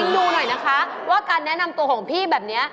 ดูหน่อยนะคะว่าการแนะนำตัวของพี่แบบนี้